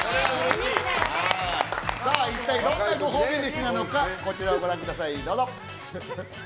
一体どんなご褒美飯なのかこちらをご覧ください。